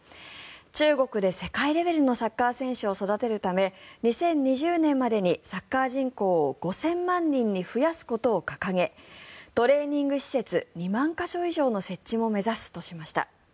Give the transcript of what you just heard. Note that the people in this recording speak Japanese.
中国で世界レベルのサッカー選手を育てるため２０２０年までにサッカー人口を５０００万人に増やすことを掲げトレーニング施設２万か所以上の設置も目指すとしました。